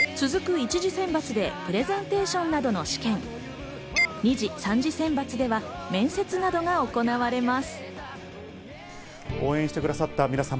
１次選抜でプレゼンテーションなどの試験、２次、３次選抜では面接などが行われます。